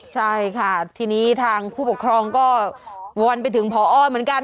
ใช่ค่ะทีนี้ทางผู้ปกครองก็วอนไปถึงพอเหมือนกัน